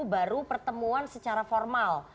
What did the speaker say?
baru pertemuan secara formal